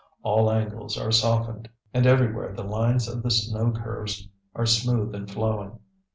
All angles are softened, and everywhere the lines of the snow curves are smooth and flowing.